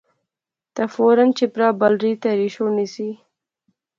تہ فورا چھپرا بل ری تہری شوڑنی سی